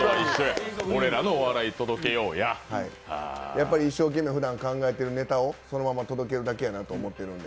やっぱり一生懸命ふだん考えてるネタをそのまま届けるだけやなと思ってるんで。